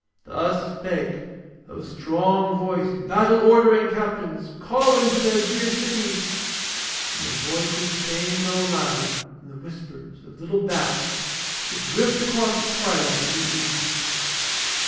Thus spake those strong voiced, battle ordering captains, calling to their dear city, and their voices came no louder than the whispers of little bats that drift across the twilight in the evening.